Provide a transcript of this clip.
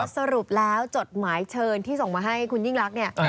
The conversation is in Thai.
สรุปแล้วจดหมายเชิญที่ส่งมาให้คุณยิ่งรักเนี่ย